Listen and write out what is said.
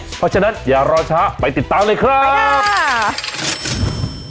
เพราะฉะนั้นอย่ารอช้าไปติดตามเลยครับ